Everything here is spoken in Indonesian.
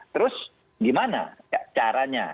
terus gimana caranya